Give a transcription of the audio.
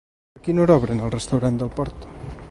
A quina hora obren el restaurant del Port?